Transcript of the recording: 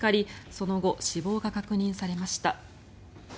その後、死亡が確認されました。